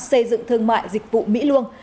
xây dựng thương mại dịch vụ mỹ luông